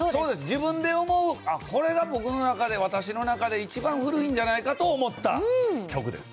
自分で思うこれが僕の中で私の中で一番古いんじゃないかと思った曲です。